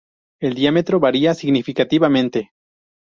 El diámetro medio varía significativamente.